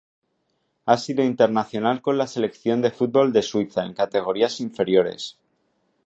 Ha sido internacional con la selección de fútbol de Suiza en categorías inferiores.